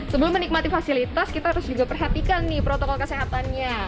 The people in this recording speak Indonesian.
sebelum menikmati fasilitas kita harus juga perhatikan nih protokol kesehatannya